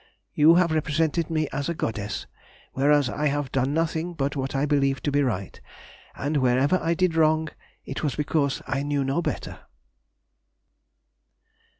You have represented me as a goddess, whereas I have done nothing but what I believe to be right; and wherever I did wrong, it was because I knew no better!